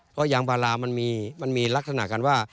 เพราะยางพารามันมีลักษณะกันว่า